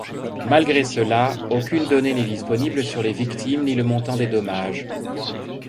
Malgré cela, aucune donnée n’est disponible sur les victimes ni le montant des dommages.